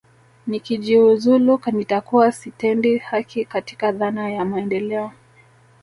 Nikijiuzulu nitakuwa sitendi haki katika dhana ya maendeleo